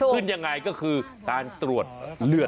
ขึ้นยังไงก็คือการตรวจเลือด